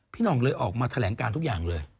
หน่องเลยออกมาแถลงการทุกอย่างเลย